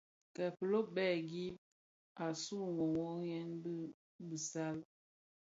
Kè filo bè gib a su wuduri i bisal.